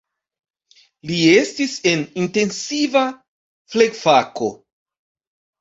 Li estis en intensiva flegfako.